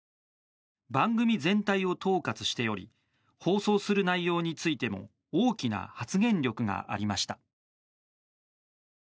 番組全体を統括しており放送する内容についても大きな発言力がありました。